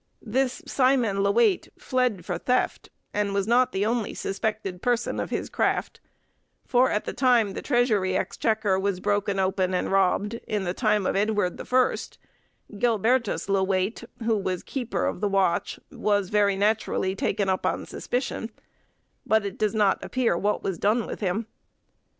This Simon le Wayte fled for theft, and was not the only suspected person of his craft: for, at the time the treasury exchequer was broken open and robbed, in the time of Edward the First, Gilbertus le Wayte, who was keeper of the watch, was very naturally taken up on suspicion, but it does not appear what was done with him.